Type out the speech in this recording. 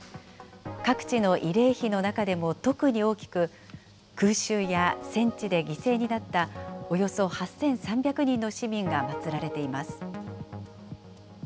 各地の慰霊碑の中でも特に大きく、空襲や戦地で犠牲になったおよそ８３００人の市民がまつられています。